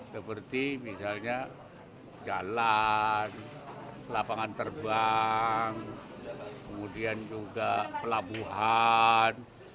seperti misalnya jalan lapangan terbang kemudian juga pelabuhan